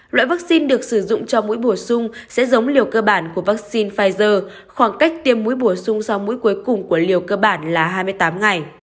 loại vaccine được sử dụng cho mũi bổ sung sẽ giống liều cơ bản của vaccine pfizer khoảng cách tiêm mũi bổ sung sau mũi cuối cùng của liều cơ bản là hai mươi tám ngày